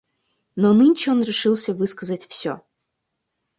Но нынче он решился высказать всё.